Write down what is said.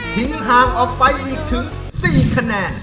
ห่างออกไปอีกถึง๔คะแนน